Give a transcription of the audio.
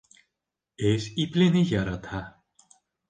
Эш иплене ярата.